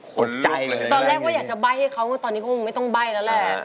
ตอนแรกก็อยากจะไบ้ให้เขาตอนนี้คงไม่ต้องไบ้แล้วแหละ